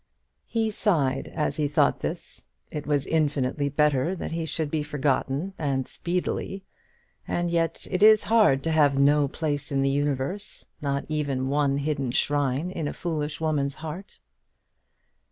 He sighed as he thought this. It was infinitely better that he should be forgotten, and speedily; and yet it is hard to have no place in the universe not even one hidden shrine in a foolish woman's heart.